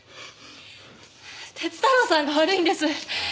鐵太郎さんが悪いんです。